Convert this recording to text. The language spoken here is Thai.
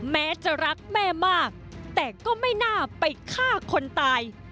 แม้จะรักแม่มากแต่ก็ไม่น่าไปฆ่าคนตาย